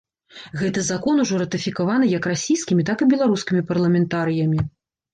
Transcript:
Гэты закон ужо ратыфікаваны як расійскімі, так і беларускімі парламентарыямі.